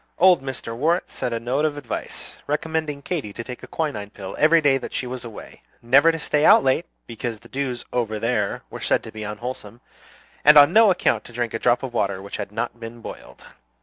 Old Mr. Worrett sent a note of advice, recommending Katy to take a quinine pill every day that she was away, never to stay out late, because the dews "over there" were said to be unwholesome, and on no account to drink a drop of water which had not been boiled.